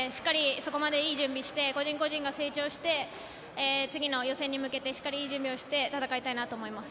そこまでいい準備をして個人個人が成長して次の予選に向けてしっかりいい準備をして戦いたいなと思います。